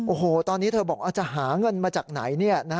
โอ้โหตอนนี้เธอบอกจะหาเงินมาจากไหน